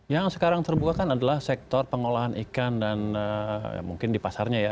yang sekarang terbuka kan adalah sektor pengolahan ikan dan mungkin di pasarnya ya